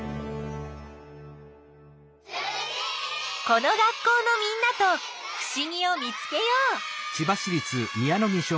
この学校のみんなとふしぎを見つけよう。